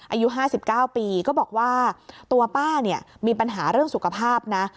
อายุ๕๙ปีก็บอกว่าตัวป้าเนี่ยมีปัญหาเรื่องสุขภาพนะ